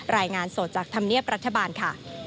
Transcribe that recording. รายงานสดจากธรรมเนียบรัฐบาลค่ะ